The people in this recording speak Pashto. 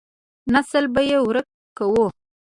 نسل به يې ورک کو.